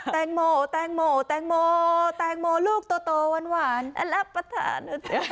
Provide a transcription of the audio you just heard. แตงโมแตงโมแตงโมแตงโมลูกโตหวานลับประถาน